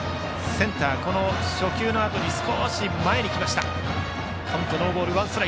センター、この初球のあと少し前に来ました。